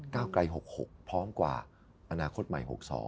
ไกล๖๖พร้อมกว่าอนาคตใหม่๖๒